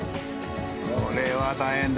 これは大変だ。